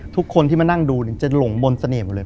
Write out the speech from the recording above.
ทุกคนที่มานั่งดูจะหลงบนเสน่ห์หมดเลย